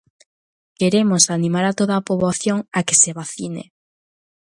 Queremos animar a toda a poboación a que se vacine.